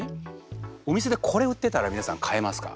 お店でこれ売ってたら皆さん買えますか？